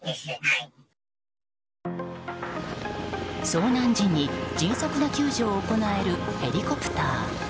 遭難時に迅速な救助を行えるヘリコプター。